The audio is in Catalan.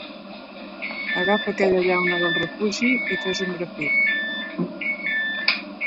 Agafa aquella llauna del refugi i fes un grafit.